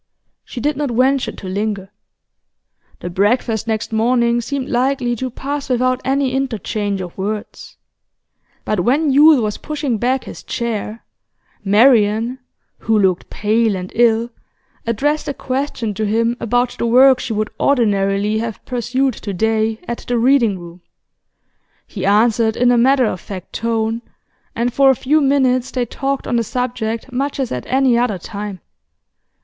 She did not venture to linger. The breakfast next morning seemed likely to pass without any interchange of words. But when Yule was pushing back his chair, Marian who looked pale and ill addressed a question to him about the work she would ordinarily have pursued to day at the Reading room. He answered in a matter of fact tone, and for a few minutes they talked on the subject much as at any other time.